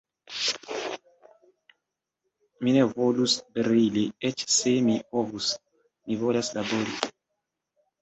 Mi ne volus brili, eĉ se mi povus; mi volas labori.